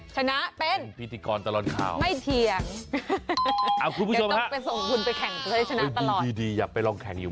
ชนะเป็นยังจะเป็นพิธีกรตลอดข่าว